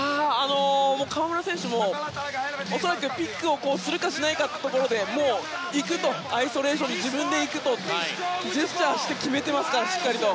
河村選手も恐らくピックをするかしないかのところでいくと、アイソレーションに自分で行くとジェスチャーをしてしっかり決めていますから。